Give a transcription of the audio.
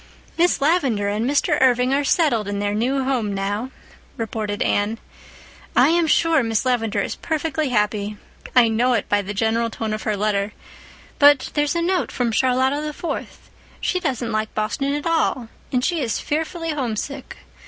"Miss Lavendar and Mr. Irving are settled in their new home now," reported Anne. "I am sure Miss Lavendar is perfectly happy—I know it by the general tone of her letter—but there's a note from Charlotta the Fourth. She doesn't like Boston at all, and she is fearfully homesick.